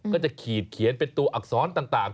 ก็จะขีดเขียนเป็นตัวอักษรต่าง